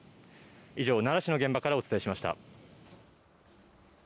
以上、奈良市の現場からお伝えしました。